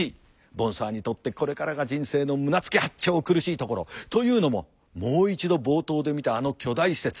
ボンサーにとってこれからが人生の胸突き八丁苦しいところ。というのももう一度冒頭で見たあの巨大施設。